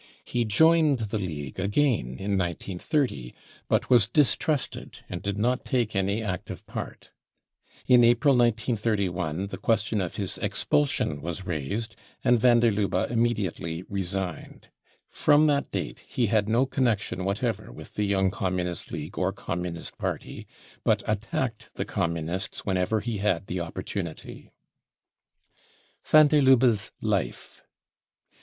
He joined the League again in 1930, but was distrusted and did not take any active part. In April 1931 the question of his expulsion was raised, and van der Lubbe immediately resigned. From that date he had no connection whatever with the Young Communist League or Communist Party, but attacked the Communists when ever he had the opportunity. Van der Lubbe's Life.